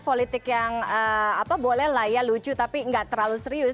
politik yang apa boleh lah ya lucu tapi nggak terlalu serius